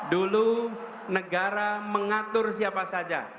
dulu negara mengatur siapa saja